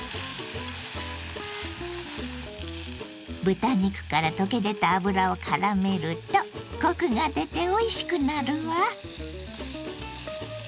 豚肉から溶け出た脂をからめるとコクが出ておいしくなるわ。